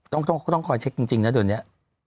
ต้องคอยเช็คจริงนะเดี๋ยวนี้